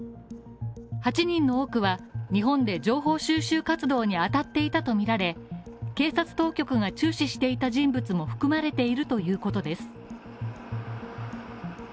８人の多くは、日本で情報収集活動にあたっていたとみられ、警察当局が注視していた人物も含まれているということです。